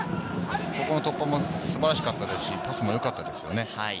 ここの突破も素晴らしかったですし、パスもよかったですね。